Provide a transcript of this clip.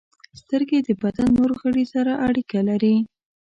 • سترګې د بدن نور غړي سره اړیکه لري.